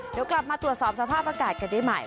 เดี๋ยวกลับมาตรวจสอบสภาพอากาศกันได้ใหม่